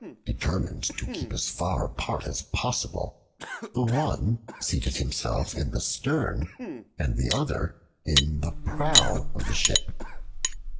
Determined to keep as far apart as possible, the one seated himself in the stem, and the other in the prow of the ship.